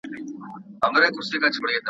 د نظر غشی به مي نن له شالماره څارې .